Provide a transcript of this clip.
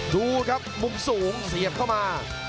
ดูครับมุมสูงเสียบเข้ามา